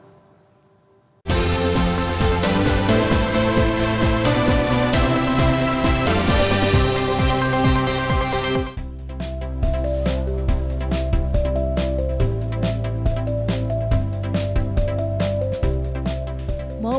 kue ulang tahun